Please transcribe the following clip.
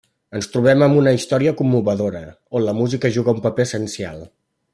Ens trobem amb una història commovedora, on la música juga un paper essencial.